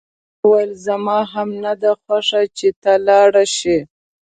جميلې وويل: زما هم نه ده خوښه چې ته لاړ شې.